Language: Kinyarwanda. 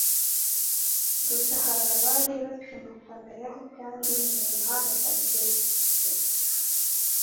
Gusa hari abari bakimukomeyeho kandi na nyuma bakabyerekana.